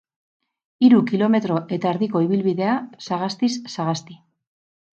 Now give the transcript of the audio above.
Hiru kilometro eta erdiko ibilbidea, sagastiz sagasti.